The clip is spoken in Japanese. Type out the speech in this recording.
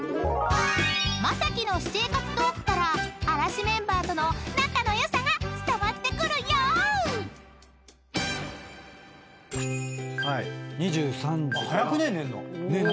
［雅紀の私生活トークから嵐メンバーとの仲の良さが伝わってくるよ］早くねえ？